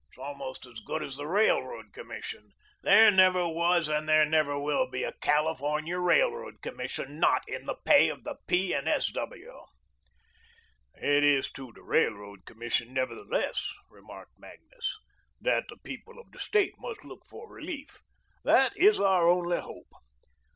It's almost as good as the Railroad Commission. There never was and there never will be a California Railroad Commission not in the pay of the P. and S. W." "It is to the Railroad Commission, nevertheless," remarked Magnus, "that the people of the State must look for relief. That is our only hope.